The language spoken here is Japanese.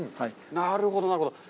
なるほど、なるほど。